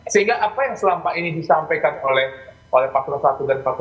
sehingga apa yang selama ini disampaikan oleh empat puluh satu dan empat puluh tiga